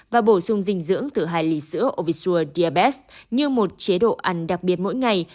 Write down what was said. và bổ sung dinh dưỡng từ hai ly sữa ovisua deabets như một chế độ ăn đặc biệt mỗi ngày